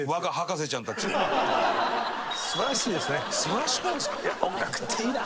素晴らしくないですか？